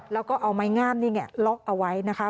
แล้วก็เอาไม้งามนี่ไงล็อกเอาไว้นะคะ